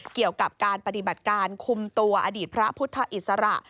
เกี่ยวกับการปฏิบัติการคุมตัวอดีตพระพุทธอิสระ